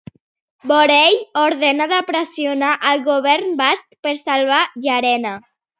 Borrell ordena de pressionar el govern basc per salvar Llarena.